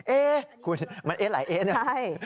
เอ๊ะคุณมันเอ๊ะหลายเอ๊ะเนี่ย